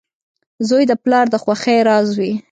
• زوی د پلار د خوښۍ راز وي.